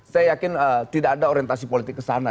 saya yakin tidak ada orientasi politik kesana